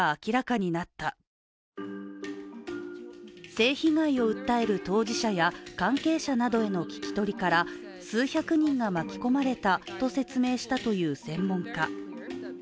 性被害を訴える当事者や、関係者などへの聞き取りから数百人が巻き込まれたと説明したという専門家。